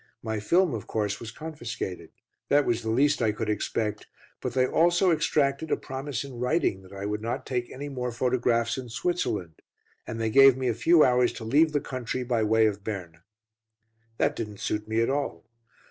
My film, of course, was confiscated; that was the least I could expect, but they also extracted a promise in writing that I would not take any more photographs in Switzerland, and they gave me a few hours to leave the country, by way of Berne. That didn't suit me at all.